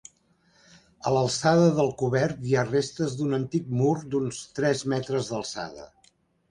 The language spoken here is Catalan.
A l'alçada del cobert hi ha restes d'un antic mur d'uns tres metres d'alçada.